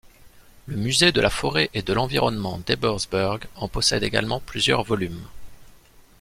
Le Musée de la forêt et de l'environnement d'Ebersberg en possède également plusieurs volumes.